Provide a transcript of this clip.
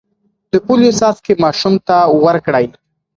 د پولیو څاڅکي ماشوم ته ورکړئ.